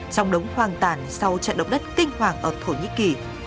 trong đống hoang tàn sau trận động đất kinh hoàng ở thổ nhĩ kỳ